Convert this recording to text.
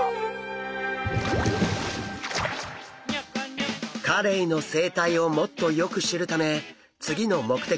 カレイの生態をもっとよく知るため次の目的地水族館へ。